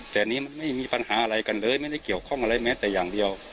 แต่อันนี้ไม่มีปัญหาอะไรกันเลยไม่ได้เกี่ยวข้องอะไรแม้แต่อย่างเดียว